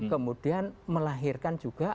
kemudian melahirkan juga